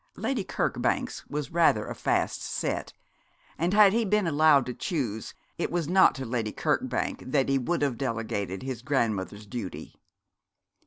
Lady Kirkbank's was rather a fast set; and had he been allowed to choose it was not to Lady Kirkbank that he would have delegated his grandmother's duty.